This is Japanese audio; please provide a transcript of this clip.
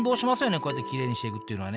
こうやってきれいにしていくっていうのはね。